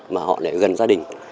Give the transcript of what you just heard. mà họ lại gần gia đình